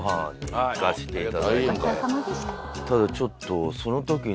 ただちょっとそのときに。